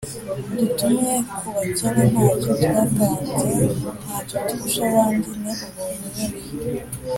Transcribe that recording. dutumwe ku bakene. ntacyo twatanze, ntacyo turusha abandi ; ni ubuntu nyine